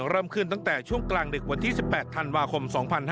เริ่มขึ้นตั้งแต่ช่วงกลางดึกวันที่๑๘ธันวาคม๒๕๕๙